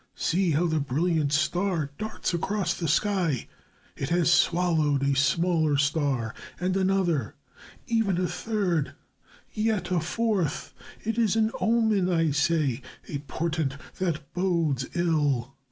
See how the brilliant star darts across the sky! It has swallowed a smaller star, and another, even a third, yet a fourth. It is an omen, I say, a portent that bodes ill.